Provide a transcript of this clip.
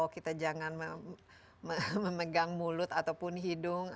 kita jangan memegang mulut ataupun hidung